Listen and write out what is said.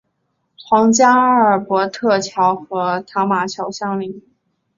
皇家阿尔伯特桥和塔马桥相邻。